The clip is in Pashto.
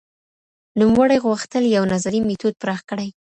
نوموړي غوښتل يو نظري ميتود پراخ کړي.